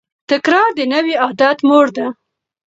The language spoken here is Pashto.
تکرار د نوي عادت مور ده.